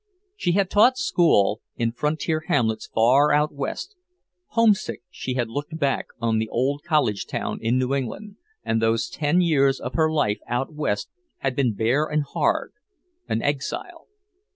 She had taught school in frontier hamlets far out West, homesick she had looked back on the old college town in New England, and those ten years of her life out West had been bare and hard, an exile.